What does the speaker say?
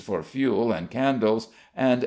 for fuel and candles, and 8d.